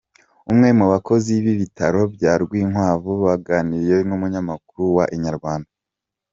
Umwe mu bakozi b’ibitaro bya Rwinkwavu baganiriye n’umunyamakuru wa Inyarwanda.